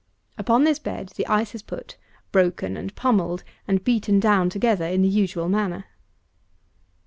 Upon this bed the ice is put, broken and pummelled, and beaten down together in the usual manner.